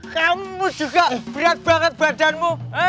kamu juga berat banget badanmu